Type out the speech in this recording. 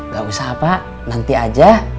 gak usah pak nanti aja